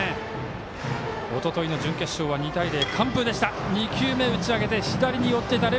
おとといの準決勝２対０、完封でした。